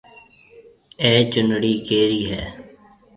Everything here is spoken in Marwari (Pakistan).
اَي چونڙِي ڪَيري هيَ؟